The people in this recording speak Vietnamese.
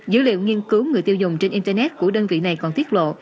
dữ liệu nghiên cứu người tiêu dùng trên internet của đơn vị này còn tiết lộ